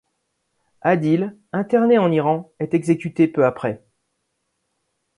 Adil, interné en Iran, est exécuté peu après.